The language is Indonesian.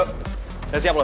udah siap lo